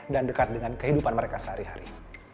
dan dekat dengan kehidupan mereka sehari hari